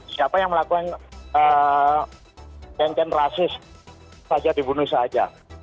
siapa yang melakukan ken ken rasis saja dibunuh saja